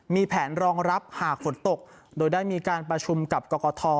มีแผนรองรับหากฝนตกโดยได้มีการประชุมกับกรกฐ